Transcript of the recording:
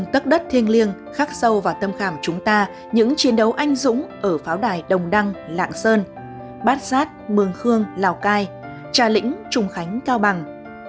tất đất thiêng liêng khắc sâu vào tâm khảm chúng ta những chiến đấu anh dũng ở pháo đài đồng đăng lạng sơn bát sát mường khương lào cai trà lĩnh trung khánh cao bằng